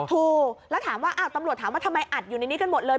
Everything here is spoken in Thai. ถูกแล้วถามว่าตำรวจถามว่าทำไมอัดอยู่ในนี้กันหมดเลย